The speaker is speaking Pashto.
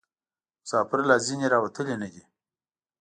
مسافر لا ځني راوتلي نه دي.